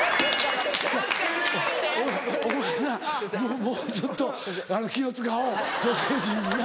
お前なもうちょっと気を使おう女性陣にな。